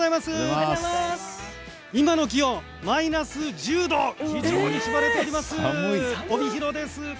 今の気温マイナス１０度非常にしばれております。